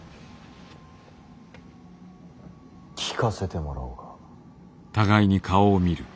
聞かせてもらおうか。